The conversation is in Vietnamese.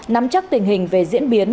một nắm chắc tình hình về diễn biến